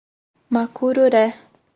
Macururé